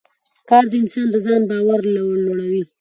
کار د انسان د ځان باور لوړوي